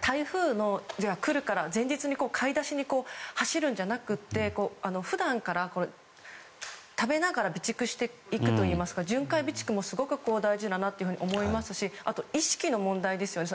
台風が来るから前日に買い出しに走るんじゃなくて普段から食べながら備蓄していくといいますか巡回備蓄もすごく大事だと思いますし意識の問題ですよね。